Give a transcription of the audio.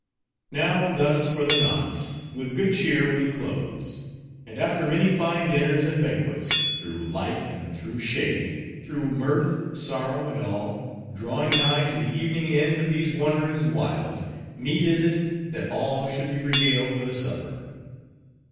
Now, thus, for the nonce, with good cheer, we close. And after many fine dinners and banquets—through light and through shade; through mirth, sorrow, and all—drawing nigh to the evening end of these wanderings wild—meet is it that all should be regaled with a supper.